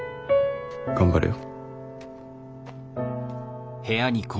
頑張れよ。